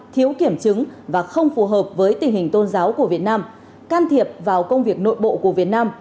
thiếu kiểm chứng và không phù hợp với tình hình tôn giáo của việt nam can thiệp vào công việc nội bộ của việt nam